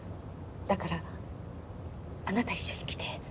だからあなた一緒に来て。